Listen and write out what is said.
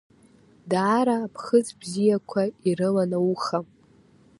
Даара аԥхыӡ бзиақәа ирылан ауха…